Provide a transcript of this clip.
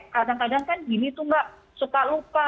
kadang kadang kan gini itu nggak suka lupa